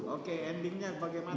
oke endingnya bagaimana